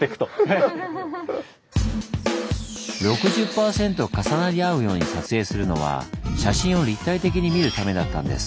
６０％重なり合うように撮影するのは写真を立体的に見るためだったんです。